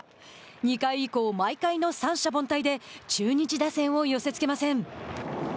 ２回以降、毎回の三者凡退で中日打線を寄せつけません。